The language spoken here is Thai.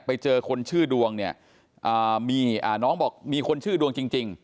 ไปเจอคนชื่อดวงเนี่ยมีน้องบอกมีคนชื่อดวงจริง